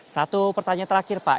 satu pertanyaan terakhir pak